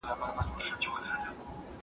خو زړه سوى ورځيني هېر سـو